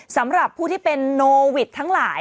สำหรับผู้ที่เป็นโนวิดทั้งหลาย